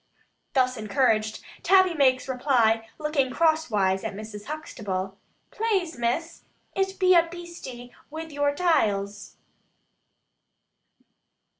Thus encouraged, Tabby makes reply, looking cross wise at Mrs. Huxtable. "Plase, Miss, it be a beastie wi vour taials."